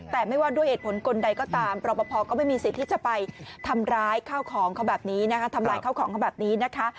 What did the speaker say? แต่ไม่ว่าด้วยเหตุผลคนใดก็ตามรอปภก็ไม่มีสิทธิ์ที่จะไปทำร้ายเข้าของเขาแบบนี้นะคะ